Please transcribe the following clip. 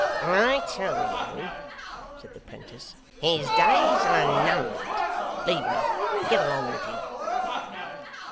'I tell you,' said the 'prentice, 'his days are numbered. Leave me. Get along with you.